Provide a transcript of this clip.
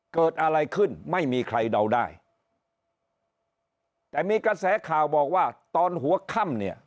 เกิดอะไรขึ้นไม่มีใครเดาได้แต่มีกระแสข่าวบอกว่าตอนหัวค่ำเนี่ย